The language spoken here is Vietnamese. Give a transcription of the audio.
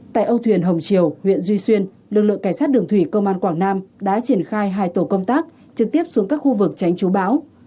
tại âu thuyền hồng triều huyện duy xuyên lực lượng cảnh sát đường thủy công an quảng nam đã triển khai hai tổ công tác trực tiếp xuống các khu vực tránh chú bão